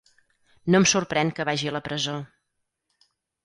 No em sorprèn que vagi a la presó.